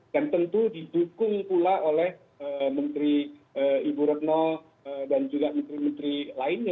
dan tentu didukung pula oleh menteri ibu retno dan juga menteri menteri lainnya